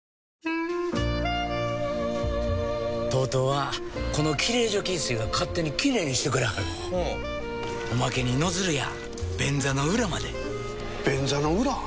ＴＯＴＯはこのきれい除菌水が勝手にきれいにしてくれはるほうおまけにノズルや便座の裏まで便座の裏？